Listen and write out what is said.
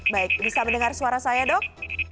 baik bisa mendengar suara saya dok